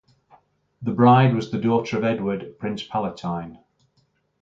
The bride was the daughter of Edward, Prince Palatine.